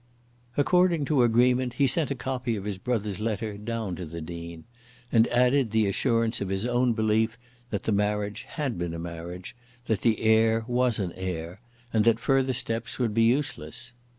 According to agreement he sent a copy of his brother's letter down to the Dean, and added the assurance of his own belief that the marriage had been a marriage, that the heir was an heir, and that further steps would be useless.